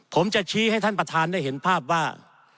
ผมจะชี้ให้ท่านประธานได้เห็นภาพว่า